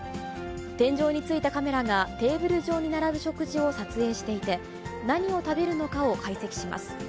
天井についたカメラがテーブル上に並ぶ食事を撮影していて、何を食べるのかを解析します。